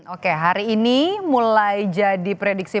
oke hari ini mulai jadi prediksi